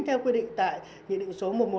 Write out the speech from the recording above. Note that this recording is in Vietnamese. theo quy định tại nhị định số một trăm một mươi bảy